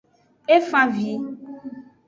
E fan avi.